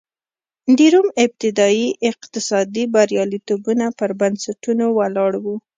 د روم ابتدايي اقتصادي بریالیتوبونه پر بنسټونو ولاړ و